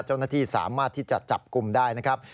เจ้าหน้าที่สามารถที่จะจับกลุ่มได้นะครับ